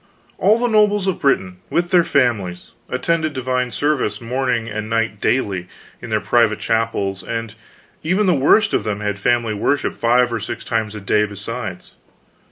All the nobles of Britain, with their families, attended divine service morning and night daily, in their private chapels, and even the worst of them had family worship five or six times a day besides.